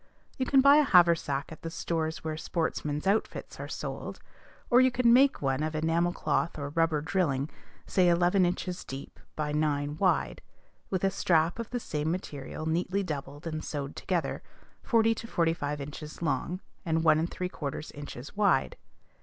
You can buy a haversack at the stores where sportsmen's outfits are sold; or you can make one of enamel cloth or rubber drilling, say eleven inches deep by nine wide, with a strap of the same material neatly doubled and sewed together, forty to forty five inches long, and one and three quarters inches wide.